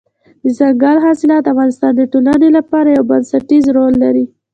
دځنګل حاصلات د افغانستان د ټولنې لپاره یو بنسټيز رول لري.